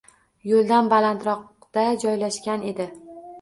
Yo’ldan balandroqda joylashgan edi.